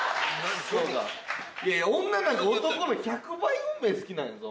女なんか男の１００倍運命好きなんやぞお前。